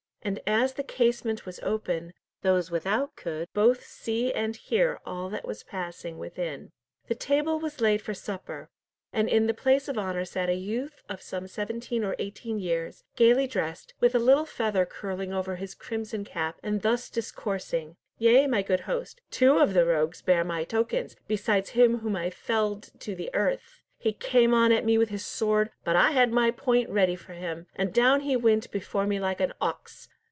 And as the casement was open, those without could both see and hear all that was passing within. The table was laid for supper, and in the place of honour sat a youth of some seventeen or eighteen years, gaily dressed, with a little feather curling over his crimson cap, and thus discoursing:— "Yea, my good host, two of the rogues bear my tokens, besides him whom I felled to the earth. He came on at me with his sword, but I had my point ready for him; and down he went before me like an ox.